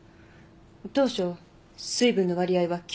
当初水分の割合は９９％。